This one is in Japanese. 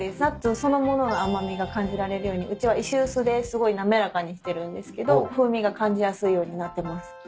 ナッツそのものの甘味が感じられるようにうちは石臼ですごい滑らかにしてるんですけど風味が感じやすいようになってます。